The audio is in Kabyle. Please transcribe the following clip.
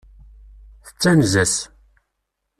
Tettanez-as.